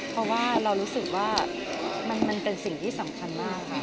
เพราะว่าเรารู้สึกว่ามันเป็นสิ่งที่สำคัญมากค่ะ